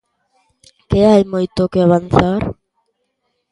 ¿Que hai moito que avanzar?